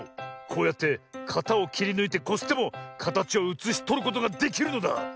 こうやってかたをきりぬいてこすってもかたちをうつしとることができるのだ。